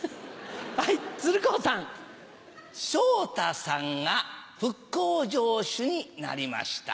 財津一郎さんが復興城主になりました。